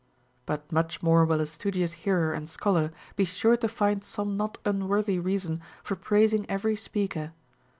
But much more will a stu dious hearer and scholar be sure to find some not unworthy reason for praising every speaker.